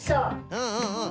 うんうんうん。